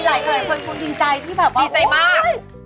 หลายคู่คนคงดีใจดีใจมาก